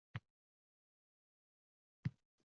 Tengdan bo’lib bering, roziman ustoz!